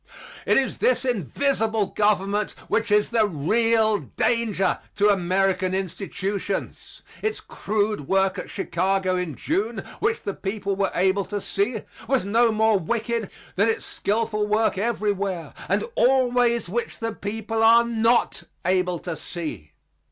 It is this invisible government which is the real danger to American institutions. Its crude work at Chicago in June, which the people were able to see, was no more wicked than its skillful work everywhere and always which the people are not able to see.